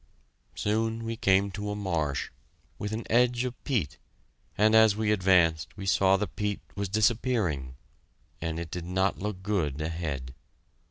Soon we came to a marsh, with an edge of peat, and as we advanced we saw the peat was disappearing, and it did not look good ahead.